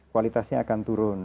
kualitasnya akan turun